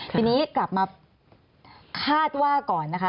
ทีนี้กลับมาคาดว่าก่อนนะคะ